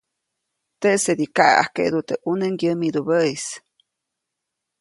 Teʼsedi kaʼeʼajkeʼdu teʼ ʼune ŋgyämidubäʼis.